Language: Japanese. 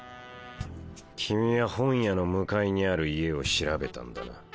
君は本屋の向かいにある家を調べたんだな？